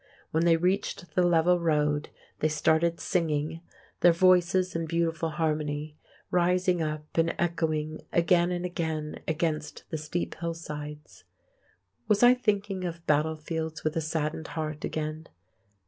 When they reached the level road they started singing, their voices in beautiful harmony, rising up and echoing again and again against the steep hillsides. Was I thinking of battlefields with a saddened heart again?